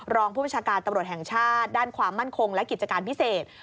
รองผู้บัญชาการตำรวจแห่งชาติด้านความมั่นคงและกิจการพิเศษ